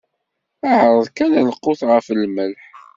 Ɛreḍ kan lqut ɣef lmelḥ?